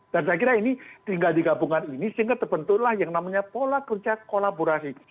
dan saya kira ini tinggal digabungkan ini sehingga terbentuklah yang namanya pola kerja kolaborasi